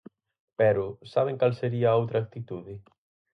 Pero ¿saben cal sería a outra actitude?